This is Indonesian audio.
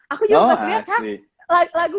aku juga pas liat hah lagu